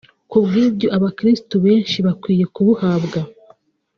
Kubw’ibyo abakiristu benshi bakwiye kubuhabwa